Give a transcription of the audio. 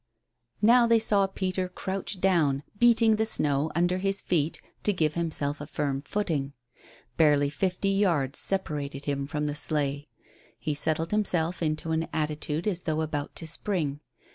Now they saw Peter crouch down, beating the snow under his feet to give himself a firm footing. Barely fifty yards separated him from the sleigh. He settled himself into an attitude as though about to spring.